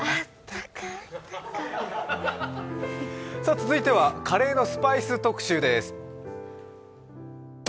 続いてはカレーのスパイス特集です。